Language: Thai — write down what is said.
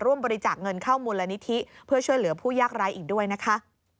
บริจาคเงินเข้ามูลนิธิเพื่อช่วยเหลือผู้ยากร้ายอีกด้วยนะคะ